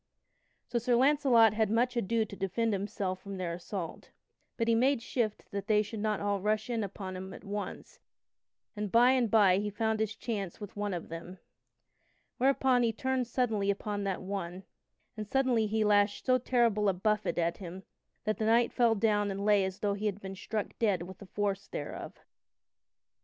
So Sir Launcelot had much ado to defend himself from their assault. But he made shift that they should not all rush in upon him at once, and by and by he found his chance with one of them. Whereupon he turned suddenly upon that one, and suddenly he lashed so terrible a buffet at him that the knight fell down and lay as though he had been struck dead with the force thereof.